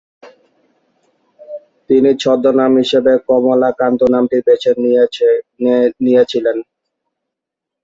তিনি ছদ্মনাম হিসেবে কমলাকান্ত নামটি বেছে নিয়েছিলেন।